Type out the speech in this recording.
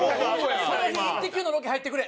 その日『イッテＱ！』のロケ入ってくれ！